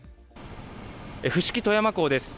伏木富山港です。